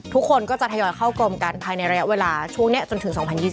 ทุกคนก็จะทยอยเข้ากรมกันภายในระยะเวลาช่วงนี้จนถึง๒๐๒๐